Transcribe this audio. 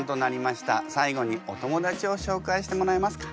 最後にお友達を紹介してもらえますか？